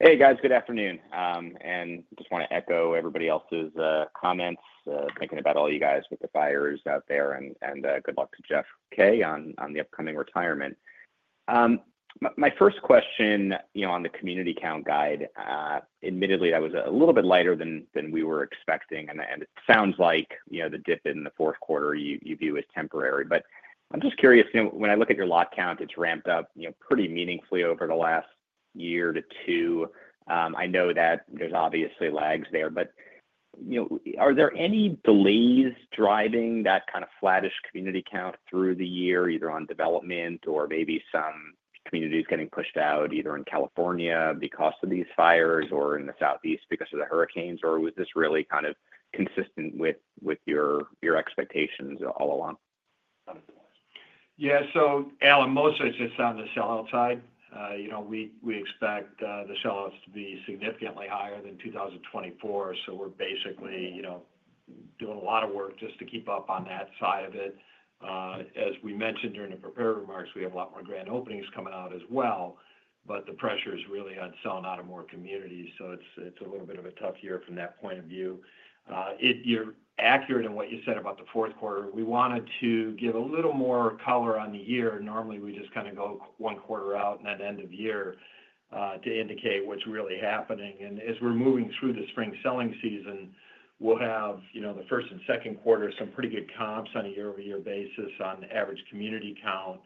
Hey, guys. Good afternoon. And just want to echo everybody else's comments, thinking about all you guys with the buyers out there, and good luck to Jeff K on the upcoming retirement. My first question on the community count guide, admittedly, that was a little bit lighter than we were expecting. And it sounds like the dip in the fourth quarter you view as temporary. But I'm just curious, when I look at your lot count, it's ramped up pretty meaningfully over the last year or two. I know that there's obviously lags there. But are there any delays driving that kind of flattish community count through the year, either on development or maybe some communities getting pushed out either in California because of these fires or in the Southeast because of the hurricanes? Or was this really kind of consistent with your expectations all along? Yeah. So Alan, most of it's just on the sell-out side. We expect the sell-outs to be significantly higher than 2024. So we're basically doing a lot of work just to keep up on that side of it. As we mentioned during the prepared remarks, we have a lot more grand openings coming out as well. But the pressure is really on selling out of more communities. So it's a little bit of a tough year from that point of view. You're accurate in what you said about the fourth quarter. We wanted to give a little more color on the year. Normally, we just kind of go one quarter out and then end of year to indicate what's really happening. And as we're moving through the spring selling season, we'll have the first and second quarter some pretty good comps on a year-over-year basis on average community count.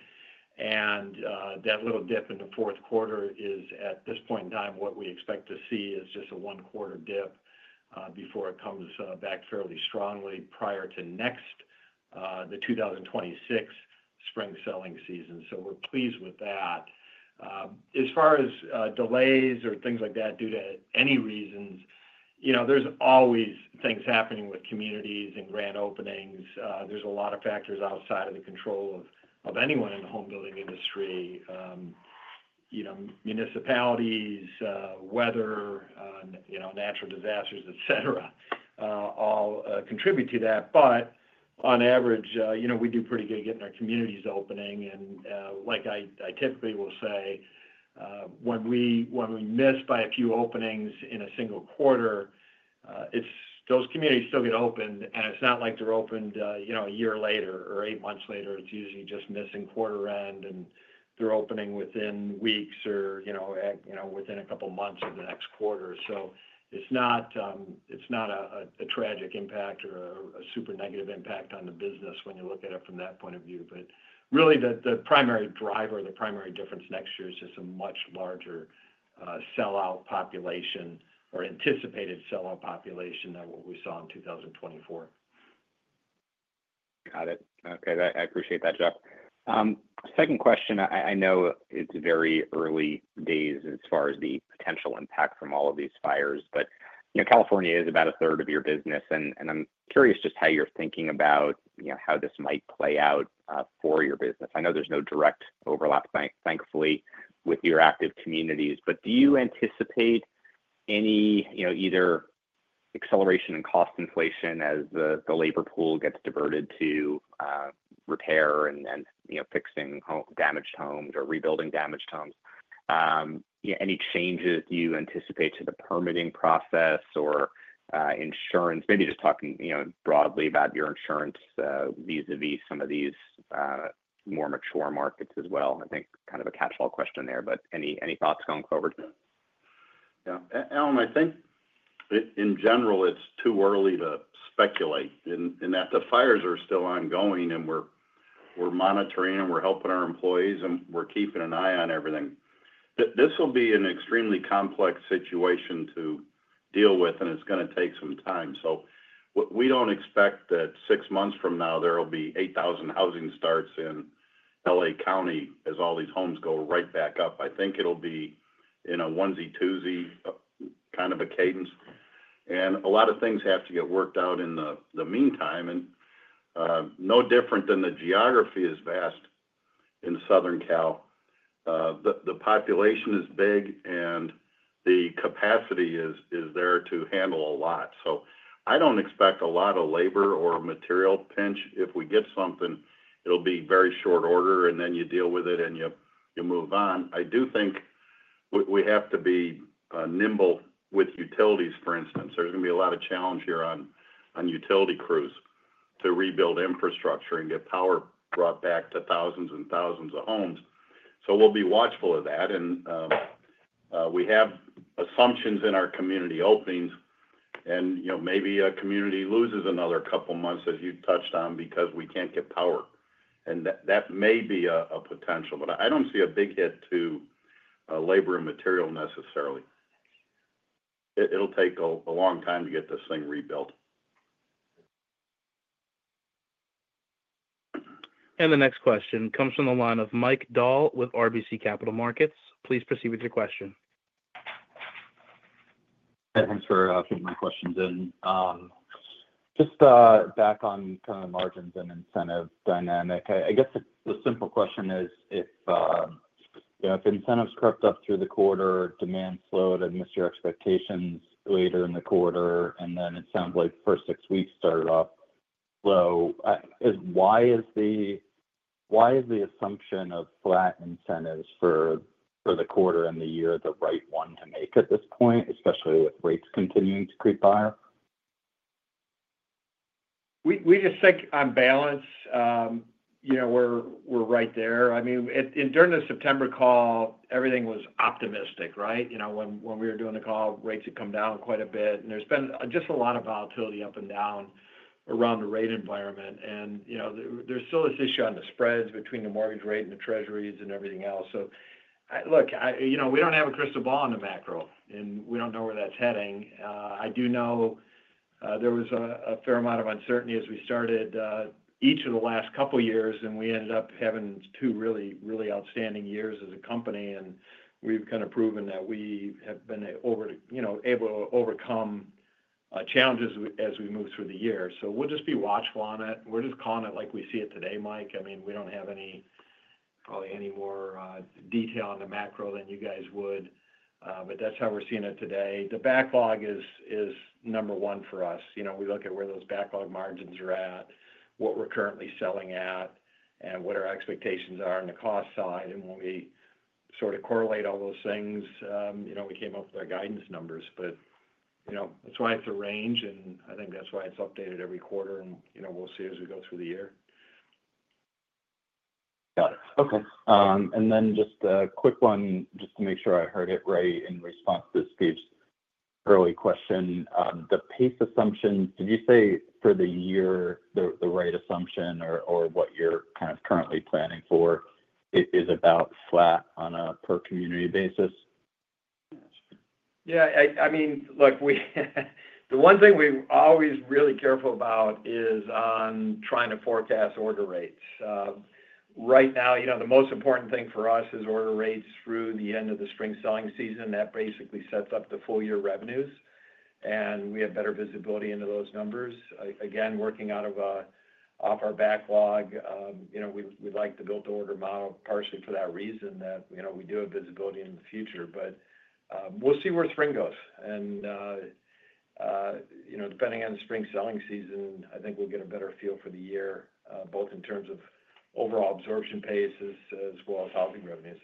And that little dip in the fourth quarter is, at this point in time, what we expect to see is just a one-quarter dip before it comes back fairly strongly prior to next, the 2026 spring selling season. So we're pleased with that. As far as delays or things like that due to any reasons, there's always things happening with communities and grand openings. There's a lot of factors outside of the control of anyone in the home building industry. Municipalities, weather, natural disasters, etc., all contribute to that. But on average, we do pretty good getting our communities opening. And like I typically will say, when we miss by a few openings in a single quarter, those communities still get opened. And it's not like they're opened a year later or eight months later. It's usually just missing quarter end, and they're opening within weeks or within a couple of months of the next quarter. So it's not a tragic impact or a super negative impact on the business when you look at it from that point of view. But really, the primary driver, the primary difference next year is just a much larger sell-out population or anticipated sell-out population than what we saw in 2024. Got it. Okay. I appreciate that, Jeff. Second question, I know it's very early days as far as the potential impact from all of these fires. But California is about a third of your business. And I'm curious just how you're thinking about how this might play out for your business. I know there's no direct overlap, thankfully, with your active communities. But do you anticipate any either acceleration in cost inflation as the labor pool gets diverted to repair and fixing damaged homes or rebuilding damaged homes? Any changes do you anticipate to the permitting process or insurance? Maybe just talking broadly about your insurance vis-à-vis some of these more mature markets as well. I think kind of a catchall question there. But any thoughts going forward? Yeah. Alan, I think in general, it's too early to speculate in that the fires are still ongoing, and we're monitoring, and we're helping our employees, and we're keeping an eye on everything. This will be an extremely complex situation to deal with, and it's going to take some time, so we don't expect that six months from now, there will be 8,000 housing starts in LA County as all these homes go right back up. I think it'll be in a onesie, twosie kind of a cadence, and a lot of things have to get worked out in the meantime, and no different than the geography is vast in Southern Cal. The population is big, and the capacity is there to handle a lot, so I don't expect a lot of labor or material pinch. If we get something, it'll be very short order, and then you deal with it, and you move on. I do think we have to be nimble with utilities, for instance. There's going to be a lot of challenge here on utility crews to rebuild infrastructure and get power brought back to thousands and thousands of homes. So we'll be watchful of that. And we have assumptions in our community openings, and maybe a community loses another couple of months, as you touched on, because we can't get power. And that may be a potential. But I don't see a big hit to labor and material necessarily. It'll take a long time to get this thing rebuilt. And the next question comes from the line of Mike Dahl with RBC Capital Markets. Please proceed with your question. Thanks for getting my questions in. Just back on kind of the margins and incentive dynamic. I guess the simple question is, if incentives crept up through the quarter, demand slowed, and missed your expectations later in the quarter, and then it sounds like first six weeks started off low, why is the assumption of flat incentives for the quarter and the year the right one to make at this point, especially with rates continuing to creep higher? We just think on balance, we're right there. I mean, during the September call, everything was optimistic, right? When we were doing the call, rates had come down quite a bit. And there's been just a lot of volatility up and down around the rate environment. And there's still this issue on the spreads between the mortgage rate and the Treasuries and everything else. So look, we don't have a crystal ball on the macro, and we don't know where that's heading. I do know there was a fair amount of uncertainty as we started each of the last couple of years, and we ended up having two really, really outstanding years as a company, and we've kind of proven that we have been able to overcome challenges as we move through the year, so we'll just be watchful on it. We're just calling it like we see it today, Mike. I mean, we don't have probably any more detail on the macro than you guys would, but that's how we're seeing it today. The backlog is number one for us. We look at where those backlog margins are at, what we're currently selling at, and what our expectations are on the cost side, and when we sort of correlate all those things, we came up with our guidance numbers. But that's why it's a range, and I think that's why it's updated every quarter. And we'll see as we go through the year. Got it. Okay. And then just a quick one, just to make sure I heard it right in response to Steve's early question. The pace assumptions, did you say for the year the right assumption or what you're kind of currently planning for is about flat on a per-community basis? Yeah. I mean, look, the one thing we're always really careful about is on trying to forecast order rates. Right now, the most important thing for us is order rates through the end of the spring selling season. That basically sets up the full year revenues, and we have better visibility into those numbers. Again, working out of our backlog, we'd like to build the order model partially for that reason that we do have visibility in the future. But we'll see where spring goes. And depending on the spring selling season, I think we'll get a better feel for the year, both in terms of overall absorption pace as well as housing revenues.